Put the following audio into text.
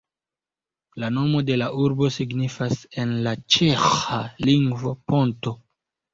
La nomo de la urbo signifas en le ĉeĥa lingvo "ponto".